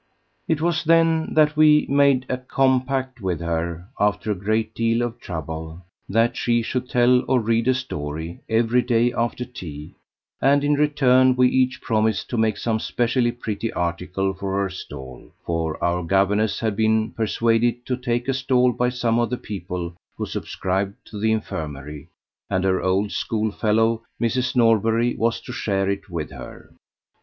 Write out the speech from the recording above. It was then that we made a compact with her, after a great deal of trouble, that she should tell or read a story every day after tea, and in return we each promised to make some specially pretty article for her stall for our governess had been persuaded to take a stall by some of the people who subscribed to the infirmary, and her old school fellow Mrs. Norbury was to share it with her.